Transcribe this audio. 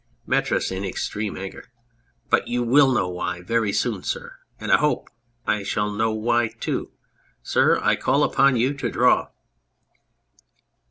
METRIS (in extreme anger). But you will know why very soon, sir ! And I hope I shall know why, too ! Sir, I call upon you to draw